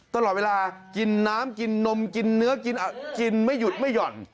ตลอดเวลากินน้ำกินนมกินเนื้อกินไม่หยุดไม่หย่อน